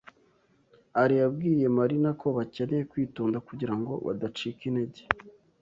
Alain yabwiye Marina ko bakeneye kwitonda kugirango badacika intege.